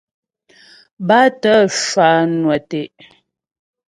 Bátə̀ cwànwə̀ tə'.